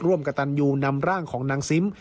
กระตันยูนำร่างของนางซิม